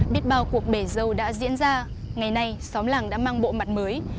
biết bao cuộc bể dâu đã diễn ra ngày nay xóm làng đã mang bộ mặt mới